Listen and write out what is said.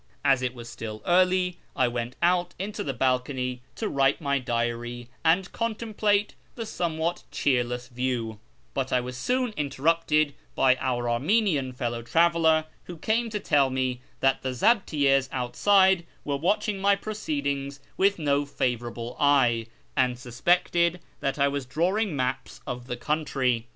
As it was still early, I went out into the balcony to write my diary and con template the somewhat cheerless view ; but I w\as soon inter rupted by our Armenian fellow traveller, who came to tell me that the zdbtiyy6s outside were watching my proceedings with no favourable eye, and suspected that I was drawing maps of the country.